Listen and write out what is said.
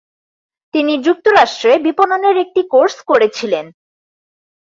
তিনি যুক্তরাষ্ট্রে বিপণনের একটি কোর্স করেছিলেন।